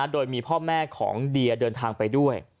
โดยมีพ่อแม่ของเดียเดินทางไปด้วย